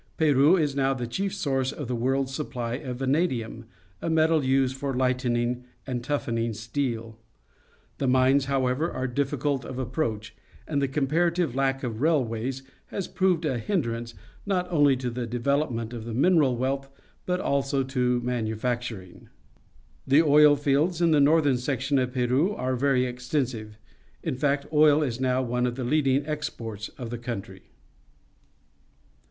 Peru is now the chief source of the world's supply of vanadiiun, a metal used for Hght The Water Front, CaUao, Peru ening and toughening steel. The mines, how ever, are difficult of approach, and the com parative lack of railways has proved a hin drance not only to the development of the mineral wealth but also to manufacturing. The oil fields in the northern section of Peru are very extensive; in fact, oil is now one of the leacUng exports of the country.